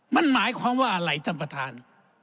มันหมายความว่าอะไรท่านประธาน